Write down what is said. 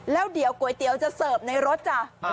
แล้วเดี๋ยวก๋วยเตี๋ยวจะเสิร์ฟในรถจ้ะ